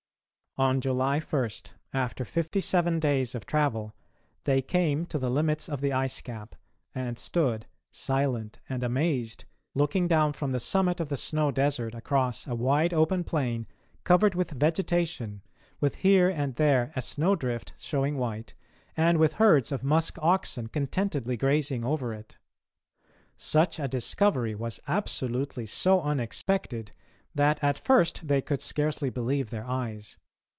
On July 1, after fifty seven days of travel, they came to the limits of the ice cap and stood, silent and amazed, looking down from the summit of the snow desert across a wide open plain covered with vegetation, with here and there a snow drift showing white, and with herds of musk oxen contentedly grazing over it. Such a discovery was absolutely so unexpected that at first they could scarcely believe their eyes.